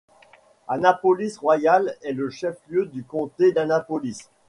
Annapolis Royal est le chef-lieu du comté d'Annapolis.